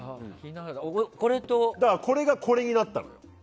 これがこれになったのよ。